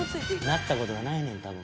なった事がないねん多分。